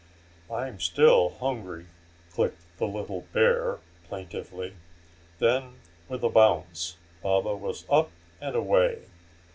"I'm still hungry!" clicked the little bear, plaintively. Then, with a bounce, Baba was up and away.